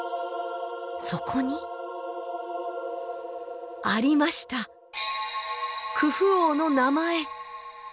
そこにありましたクフ王の名前